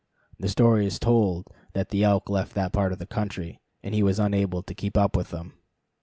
The story is told that the elk left that part of the country, and he was unable to keep up with them.